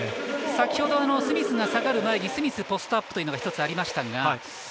先ほどスミスが下がる前にスミス、ポストアップというのが一つありましたのが。